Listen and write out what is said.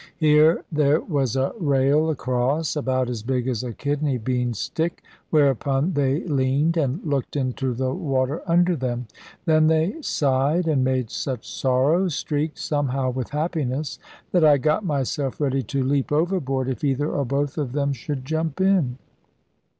Here there was a rail across, about as big as a kidney bean stick, whereupon they leaned, and looked into the water under them. Then they sighed, and made such sorrow (streaked somehow with happiness) that I got myself ready to leap overboard if either or both of them should jump in.